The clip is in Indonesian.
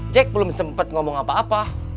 jack belum sempat ngomong apa apa